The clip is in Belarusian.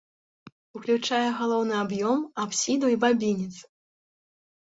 Уключае галоўны аб'ём, апсіду і бабінец.